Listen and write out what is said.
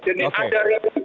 jadi ada yang